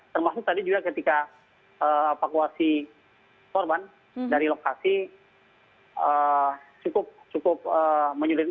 termasuk tadi juga ketika evakuasi korban dari lokasi cukup menyulitkan